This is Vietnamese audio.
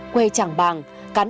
tức tù thắm